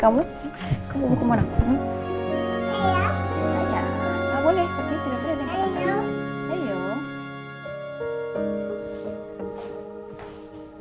kalau boleh pergi tidur dulu deh